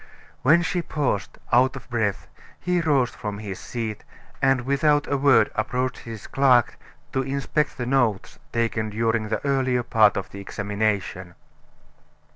When she paused, out of breath, he rose from his seat, and without a word approached his clerk to inspect the notes taken during the earlier part of the examination.